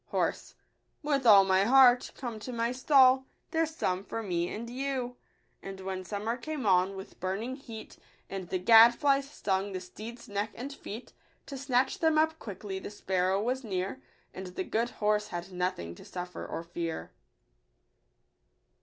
Horse, —" With all my heart. Come to my stall, There's some for me and you." And when summer came on, with burning heat, And the gad flies stung the steed's neck and feet, To snatch them up quickly the sparrow was near, And the good horse had nothing to suffer or fear.